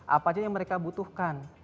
apa saja yang mereka butuhkan